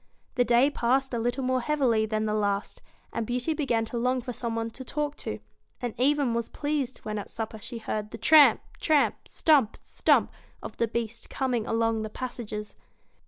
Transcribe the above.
The day passed a little more heavily than the last, and Beauty began to long for some one to talk to, and even was pleased when at supper she heard the tramp, tramp! stump, stump! of the Beast coming along the passages.